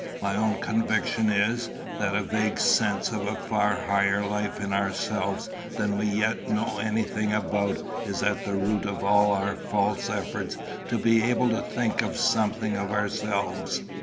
My own conviction is, that a vague sense of a far higher life in ourselves than we yet know anything about is at the root of all our false efforts to be able to think something of ourselves.